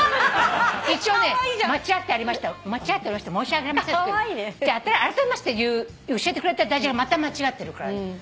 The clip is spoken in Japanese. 一応ね「間違っておりました申し訳ありません」って。あらためまして教えてくれた駄じゃれまた間違ってるから。